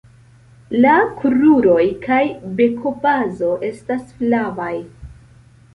La kruroj kaj bekobazo estas flavaj.